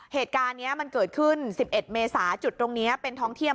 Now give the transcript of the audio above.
เหตุการณ์นี้มันเกิดขึ้น๑๑เมษาจุดตรงนี้เป็นท้องเทียม